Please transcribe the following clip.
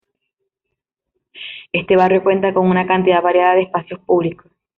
Este barrio cuenta con una cantidad variada de espacios públicos.